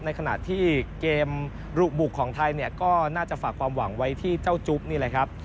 ในขณะที่เกมลุกบุกของไทยเนี่ยก็น่าจะฝากความหวังไว้ที่เจ้าจุ๊บนี่แหละครับ